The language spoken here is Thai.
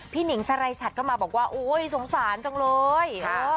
พี่หนิงสลายชัดเข้ามาบอกว่าโอ้ยสงสารจังเลยค่ะ